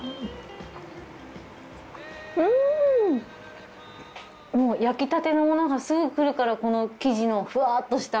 うんもう焼きたてのものがすぐ来るからこの生地のふわっとした。